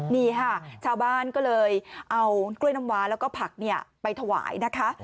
นี่ค่ะชาวบ้านก็เลยเอากล้วยน้ำวาแล้วก็ผักไปถวายนะคะ